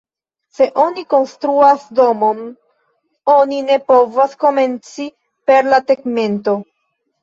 Se oni konstruas domon, oni ne povas komenci per la tegmento.